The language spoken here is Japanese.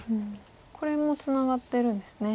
これもツナがってるんですね。